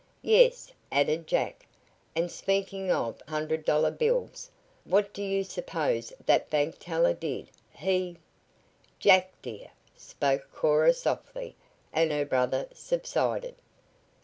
"Yes," added Jack, "and speaking of hundred dollar bills, what do you suppose that bank teller did? He " "Jack, dear," spoke Cora softly, and her brother subsided.